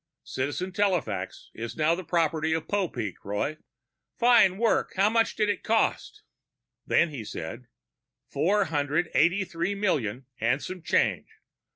Citizen telefax is now the property of Popeek, Roy!" "Fine work. How much did it cost?" Then he said, "Four hundred eighty three million and some change.